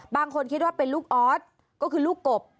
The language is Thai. บางคนคิดว่าเป็นลูกออสก็คือลูกกบ